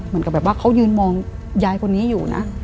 เหมือนกับแบบว่าเขายืนมองยายคนนี้อยู่นะ